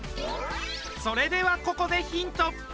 それではここでヒント。